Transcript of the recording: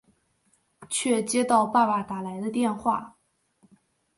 却接到爸爸打来的电话